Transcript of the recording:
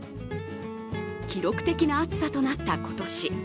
記録的な暑さとなった今年。